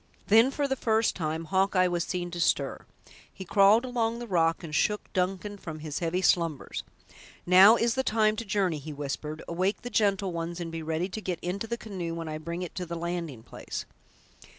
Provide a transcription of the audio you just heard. Then, for the first time, Hawkeye was seen to stir. He crawled along the rock and shook Duncan from his heavy slumbers. "Now is the time to journey," he whispered; "awake the gentle ones, and be ready to get into the canoe when I bring it to the landing place."